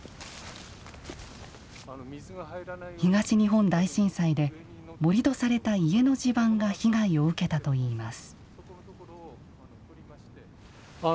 東日本大震災で盛土された家の地盤が被害を受けたといいます。